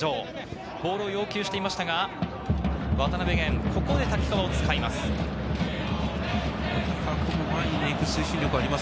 ボールを要求していましたが、渡辺弦、ここで瀧川を使います。